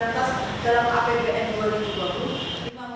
atas dalam apbn dua ribu dua puluh